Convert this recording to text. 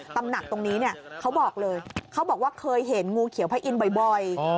ตำหนักตรงนี้เนี่ยเขาบอกเลยเขาบอกว่าเคยเห็นงูเขียวพระอินทร์บ่อย